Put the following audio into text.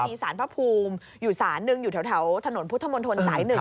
มีสารพระภูมิอยู่ศาลหนึ่งอยู่แถวถนนพุทธมนตรสาย๑